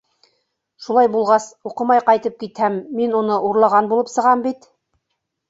Шулай булғас, уҡымай ҡайтып китһәм, мин уны урлаған булып сығам бит!